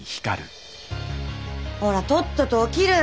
ほらとっとと起きる！